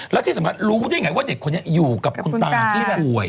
แล้วที่สำคัญรู้ได้ไงว่าเด็กคนนี้อยู่กับคุณตาที่ป่วย